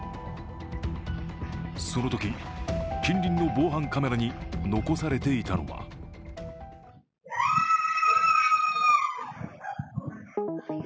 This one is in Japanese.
そのとき近隣の防犯カメラに残されていたのはキャー！